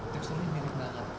teksturnya mirip banget